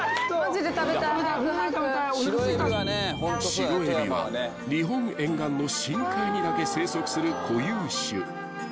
［シロエビは日本沿岸の深海にだけ生息する固有種］